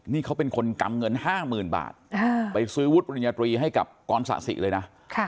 นี่เขาเป็นคนกำเงิน๕๐๐๐บาทไปซื้อวุฒิปริญญาตรีให้กับกรสะสิเลยนะ